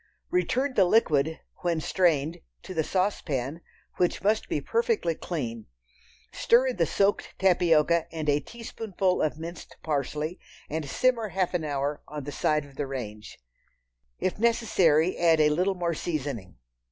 Return the liquid, when strained, to the saucepan, which must be perfectly clean; stir in the soaked tapioca and a teaspoonful of minced parsley, and simmer half an hour on the side of the range. If necessary, add a little more seasoning.